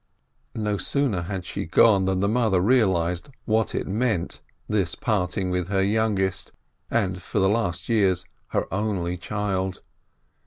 No sooner had she gone, than the mother realized what it meant, this parting with her youngest and, for the last years, her only child.